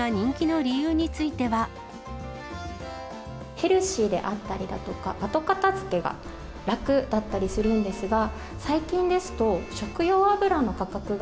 ヘルシーであったりとか、後片づけが楽だったりするんですが、最近ですと、食用油の価格が